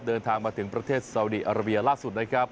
เดินทางมาถึงประเทศซาวดีอาราเบียล่าสุดนะครับ